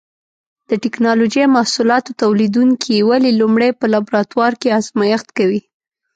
د ټېکنالوجۍ محصولاتو تولیدوونکي ولې لومړی په لابراتوار کې ازمېښت کوي؟